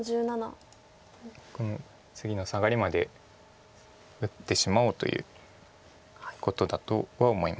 この次のサガリまで打ってしまおうということだとは思います。